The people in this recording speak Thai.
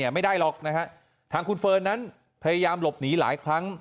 ไม่ได้หรอกนะฮะทางคุณเฟิร์นนั้นพยายามหลบหนีหลายครั้ง